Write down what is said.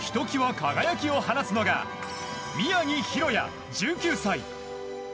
輝きを放つのが宮城大弥、１９歳。